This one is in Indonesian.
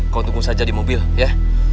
kalau tunggu saja di mobil ya